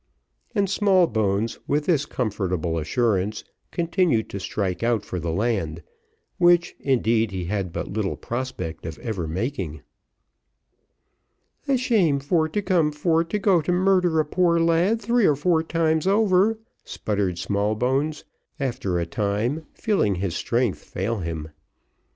And Smallbones, with this comfortable assurance, continued to strike out for the land, which, indeed, he had but little prospect of ever making. "A shame for to come for to go to murder a poor lad three or four times over," sputtered Smallbones, after a time, feeling his strength fail him.